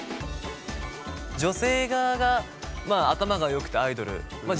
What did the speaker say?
女性側がまあ頭がよくてアイドルまあ